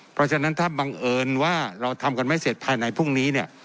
เพราะฉะนั้นถ้าบังเอิญว่าเราทำกันไม่เสร็จภายในพรุ่งนี้เนี่ย